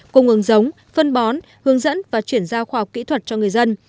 cung ứng giống phân bón hướng dẫn và chuyển giao khoa học kỹ thuật cho người dân